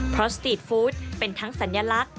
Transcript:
เพราะสตีทฟู้ดเป็นทั้งสัญลักษณ